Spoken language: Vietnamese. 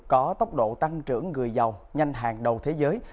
có tốc độ tăng trưởng người giàu nhanh hàng đầu thế giới